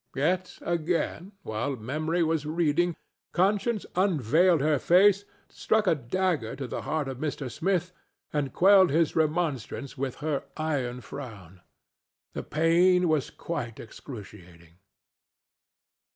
Yet, again, while Memory was reading, Conscience unveiled her face, struck a dagger to the heart of Mr. Smith and quelled his remonstrance with her iron frown. The pain was quite excruciating.